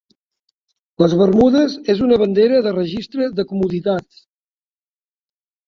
Les Bermudes es una bandera de registre de comoditats.